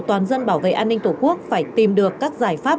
toàn dân bảo vệ an ninh tổ quốc phải tìm được các giải pháp